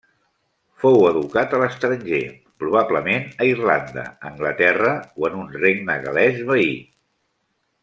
Fou educat a l'estranger, probablement a Irlanda, Anglaterra o en un regne gal·lès veí.